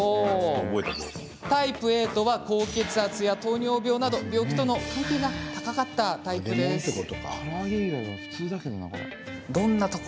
タイプＡとは高血圧や糖尿病など病気との関係が高かったタイプでしたよね。